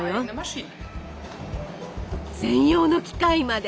専用の機械まで！